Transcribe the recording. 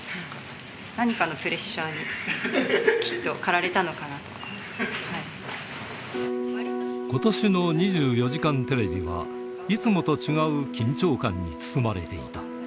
何かのプレッシャーに、ことしの２４時間テレビは、いつもと違う緊張感に包まれていた。